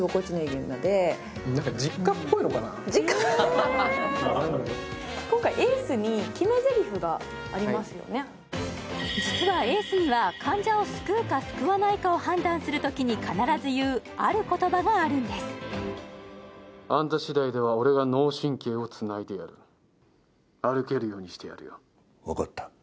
みんな今回実はエースには患者を救うか救わないかを判断するときに必ず言うある言葉があるんですあんた次第では俺が脳神経をつないでやる歩けるようにしてやるよ分かった